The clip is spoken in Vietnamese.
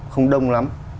không đông lắm